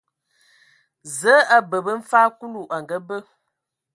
Zǝǝ a bǝbǝ mfag Kulu a ngabǝ.